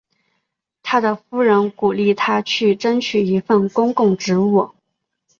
他的夫人鼓励他去争取一份公共职务。